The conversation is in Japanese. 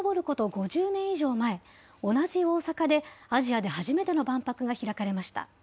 ５０年以上前、同じ大阪で、アジアで初めての万博が開かれました。